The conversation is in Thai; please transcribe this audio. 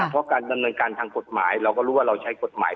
เพราะการดำเนินการทางกฎหมายเราก็รู้ว่าเราใช้กฎหมาย